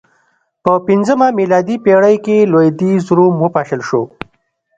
په پنځمه میلادي پېړۍ کې لوېدیځ روم وپاشل شو